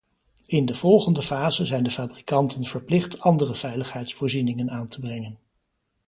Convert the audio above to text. In de volgende fase zijn de fabrikanten verplicht andere veiligheidsvoorzieningen aan te brengen.